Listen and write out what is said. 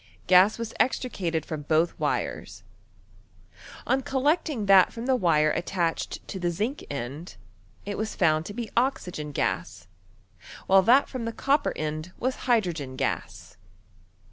Gas was extricated from both wires. On collecting that fiom the wire attached to the zinc end, it was foimd to be oxygen gaSy while that from the copper end was hydrogen gas.